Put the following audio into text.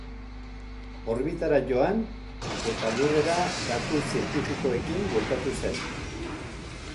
Orbitara joan eta lurrera datu zientifikoekin bueltatu zen.